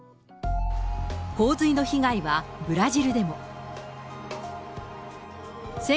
洪水の被害はブラジルでも。